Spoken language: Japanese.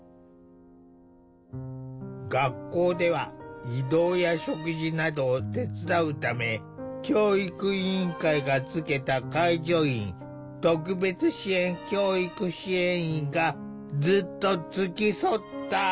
学校では移動や食事などを手伝うため教育委員会がつけた介助員特別支援教育支援員がずっと付き添った。